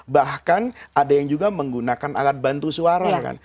bahkan ada yang juga menggunakan alat bantu suara kan